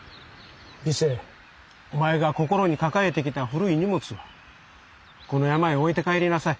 美清お前が心に抱えてきた古い荷物はこの山へ置いて帰りなさい。